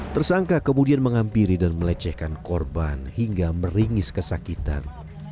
tersangka kemudian menghampiri dan melecehkan korban hingga meringis kesakitan